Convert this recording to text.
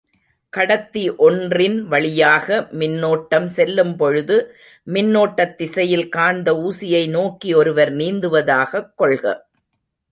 கடத்தி ஒன்றின் வழியாக மின்னோட்டம் செல்லும் பொழுது, மின்னோட்டத்திசையில் காந்த ஊசியை நோக்கி ஒருவர் நீந்துவதாகக் கொள்க.